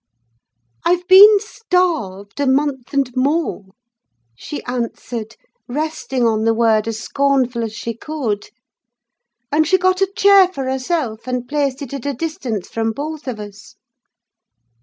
"'I've been starved a month and more,' she answered, resting on the word as scornful as she could. "And she got a chair for herself, and placed it at a distance from both of us.